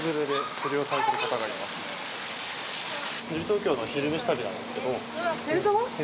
テレビ東京の「昼めし旅」なんですけど。